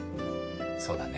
そうだね。